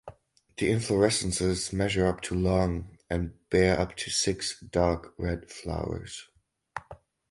The inflorescences measure up to long and bear up to six dark red flowers.